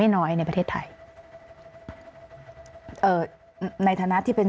สิ่งที่ประชาชนอยากจะฟัง